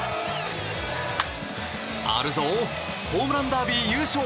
あるぞホームランダービー優勝。